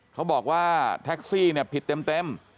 เขาบอกว่าแท็กซี่เนี่ยผิดเต็ม